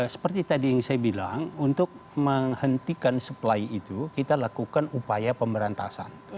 seperti tadi yang saya bilang untuk menghentikan supply itu kita lakukan upaya pemberantasan